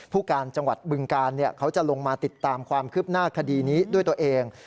ผู้การจังหวัดบึงกาลเขาจะลงมาติดตามความคืบหน้าคดีนี้ด้วยตัวเอง